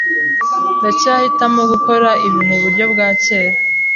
Ndacyahitamo gukora ibi muburyo bwa kera.